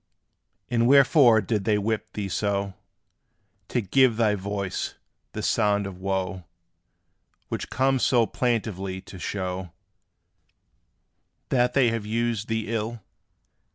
And wherefore did they whip thee so, To give thy voice this sound of wo, Which comes so plaintively to show That they have used thee ill?